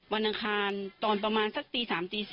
วันอันคารตอนประมาณสักตี๓๔